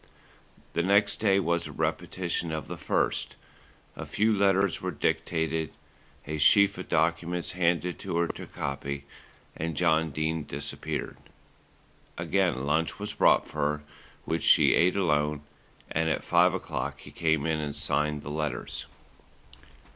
The next day was a repetition of the first. A few letters were dictated, a sheaf of documents handed to her to copy, and John Dene disappeared. Again lunch was brought for her, which she ate alone, and at five o'clock he came in and signed the letters.